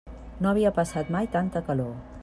No havia passat mai tanta calor.